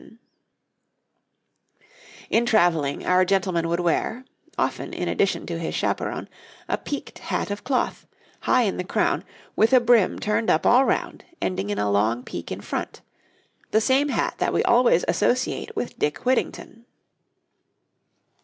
[Illustration: {A draped cloak and simple pattern for it}] In travelling, our gentleman would wear, often in addition to his chaperon, a peaked hat of cloth, high in the crown, with a brim turned up all round, ending in a long peak in front the same hat that we always associate with Dick Whittington.